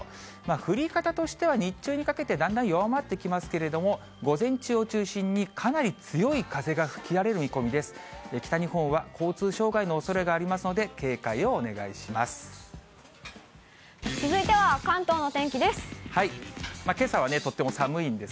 降り方としては日中にかけて、だんだん弱まってきますけれども、午前中を中心にかなり強い風が吹き荒れる見込みです。